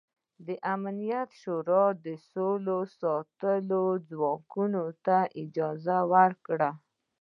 امنیت شورا سوله ساتو ځواکونو ته اجازه ورکړه.